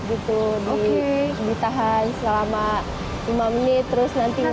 gitu di tahan selama lima menit terus nanti ngelawain